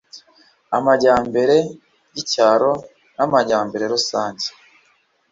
amajyambere y’icyaro n’amajyambere rusange